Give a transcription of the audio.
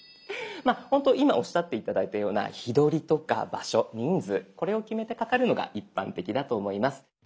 ほんと今おっしゃって頂いたような日取りとか場所人数これを決めてかかるのが一般的だと思います。